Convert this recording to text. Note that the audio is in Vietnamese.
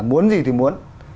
muốn gì thì muốn